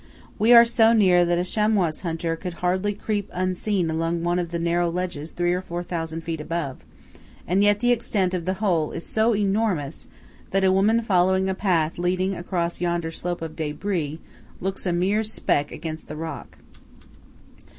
We are so near that a chamois hunter could hardly creep unseen along one of those narrow ridges three or four thousand feet above; and yet the extent of the whole is so enormous that a woman following a path leading across yonder slope of débris, looks a mere speck against the rock.